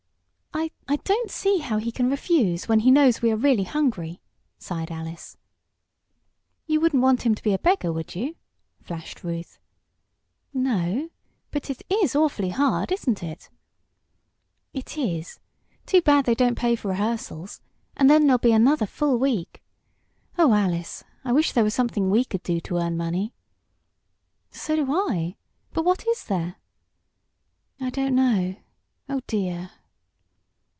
"I I don't see how he can refuse, when he knows we are really hungry!" sighed Alice. "You wouldn't want him to be a beggar; would you?" flashed Ruth. "No. But it's awfully hard; isn't it?" "It is. Too bad they don't pay for rehearsals. And there'll be another full week! Oh, Alice, I wish there was something we could do to earn money!" "So do I! But what is there?" "I don't know. Oh, dear!"